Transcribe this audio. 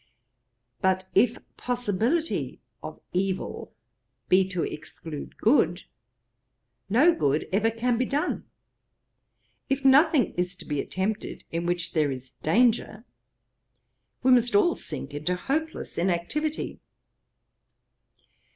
But if possibility of evil be to exclude good, no good ever can be done. If nothing is to be attempted in which there is danger, we must all sink into hopeless inactivity.